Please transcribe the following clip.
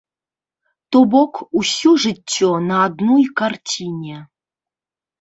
То бок, усё жыццё на адной карціне.